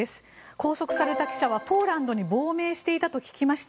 拘束された記者はポーランドに亡命していたと聞きました。